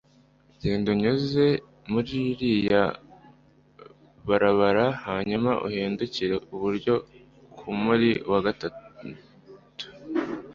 genda unyuze muriyi barabara hanyuma uhindukire iburyo kumuri wa gatatu